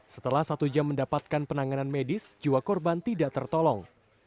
setelah satu jam mendapatkan penanganan medis jiwa korban tidak tertolong